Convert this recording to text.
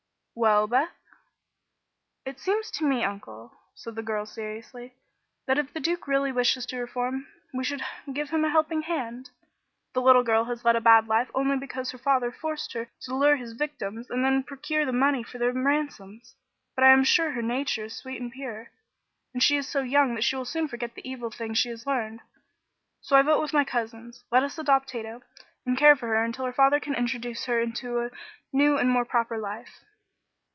"Well, Beth?" "It seems to me, Uncle," said the girl, seriously, "that if the Duke really wishes to reform, we should give him a helping hand. The little girl has led a bad life only because her father forced her to lure his victims and then procure the money for their ransoms; but I am sure her nature is sweet and pure, and she is so young that she will soon forget the evil things she has learned. So I vote with my cousins. Let us adopt Tato, and care for her until her father can introduce her into a new and more proper life."